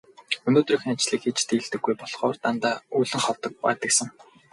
Өдрийнхөө ажлыг хийж дийлдэггүй болохоор дандаа өлөн ховдог байдагсан.